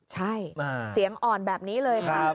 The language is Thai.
ใช่เสียงอ่อนแบบนี้เลยค่ะ